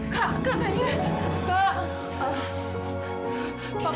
kak kak kak